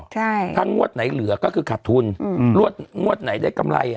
ใช่ถ้างวดไหนเหลือก็คือขาดทุนอืมงวดงวดไหนได้กำไรอ่ะ